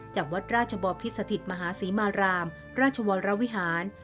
จากวัดราชบอพิสถิตมหาศรีมารามราชวรวิหาร